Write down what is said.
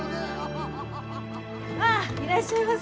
ああいらっしゃいませ！